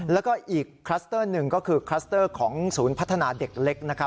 แล้วก็อีกคลัสเตอร์หนึ่งก็คือคลัสเตอร์ของศูนย์พัฒนาเด็กเล็ก